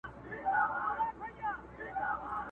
چي موږ ټوله په یوه ژبه ګړېږو!